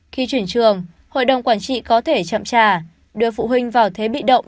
khi chuyển trường hội đồng quản trị có thể chậm trả đưa phụ huynh vào thế bị động